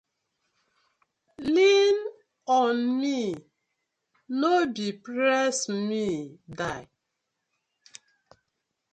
Lean on me, no be press me die: